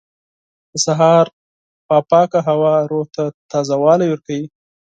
• د سهار پاکه هوا روح ته تازهوالی ورکوي.